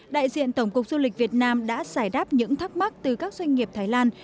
đại diện tổng cục du lịch việt nam đã giải đáp những thắc mắc từ các doanh nghiệp thái lan